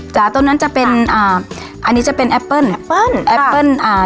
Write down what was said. ตรงนั้นจะเป็นอ่าอันนี้จะเป็นแอปเปิ้ลแอปเปิ้ลแอปเปิ้ลอ่า